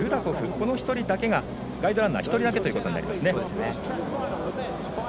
この人だけがガイドランナー１人だけとなります。